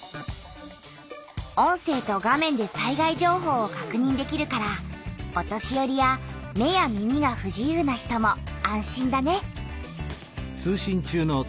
音声と画面で災害情報をかくにんできるからお年よりや目や耳がふ自由な人も安心だね。